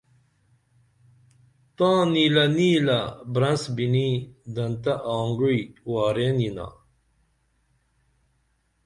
تاں نیلہ نیلہ برنس بِنی دنتہ آنگوعی وارین یِنا